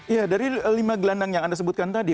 ya dari lima gelandang yang anda sebutkan tadi